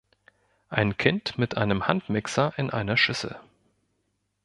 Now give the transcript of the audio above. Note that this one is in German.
Ein Kind mit einem Handmixer in einer Schüssel.